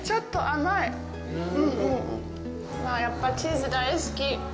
やっぱりチース大好き。